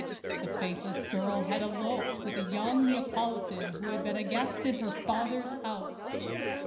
The faithless girl had eloped with a young Neapolitan who had been a guest in her father's house.